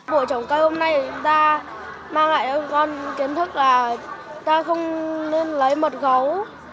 bộ trồng cây hôm nay chúng ta mang lại cho con kiến thức là ta không nên lấy mật gấu